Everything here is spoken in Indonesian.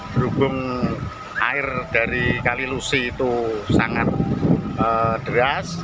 berhubung air dari kali lusi itu sangat deras